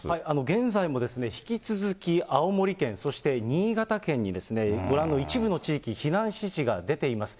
現在も引き続き青森県、そして新潟県にご覧の一部の地域、避難指示が出ています。